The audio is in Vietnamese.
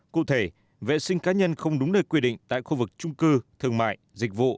cụ thể vệ sinh cá nhân không đúng nơi quy định tại khu vực trung cư thương mại dịch vụ